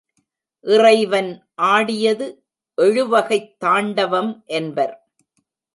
இறைவன் ஆடியது எழுவகைத் தாண்டவம் என்பர்.